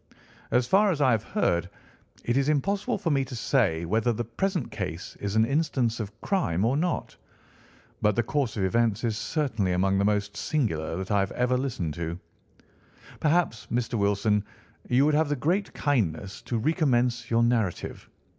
As far as I have heard, it is impossible for me to say whether the present case is an instance of crime or not, but the course of events is certainly among the most singular that I have ever listened to. Perhaps, Mr. Wilson, you would have the great kindness to recommence your narrative.